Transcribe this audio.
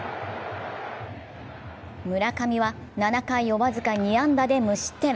村上は７回を僅か２安打で無失点。